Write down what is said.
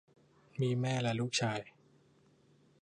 มีแม่และลูกชาย